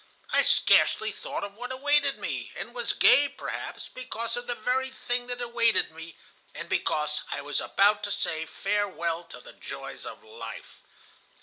I scarcely thought of what awaited me, and was gay perhaps because of the very thing that awaited me, and because I was about to say farewell to the joys of life.